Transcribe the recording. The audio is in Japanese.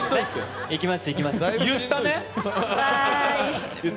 行きます。